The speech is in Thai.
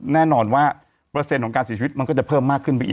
แน่นอนว่าเปอร์เซ็นต์ของการเสียชีวิตมันก็จะเพิ่มมากขึ้นไปอีก